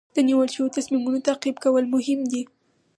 د نیول شوو تصمیمونو تعقیب کول مهم دي.